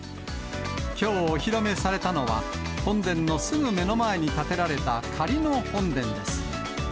きょうお披露目されたのは、本殿のすぐ目の前に建てられた、仮の本殿です。